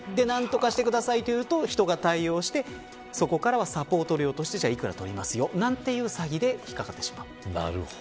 何とかしてくださいというと人が対応してそこからはサポート料として幾ら取りますよ、という詐欺で引っ掛かってしまいます。